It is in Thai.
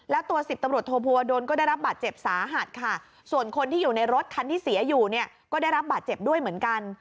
แล้วตัวสิบตำรวจโทภูวดลก็ได้รับบาดเจ็บสาหัสค่ะส่วนคนที่อยู่ในรถคันที่เสียอยู่เนี่ยก็ได้รับบาดเจ็บด้วยเหมือนกัน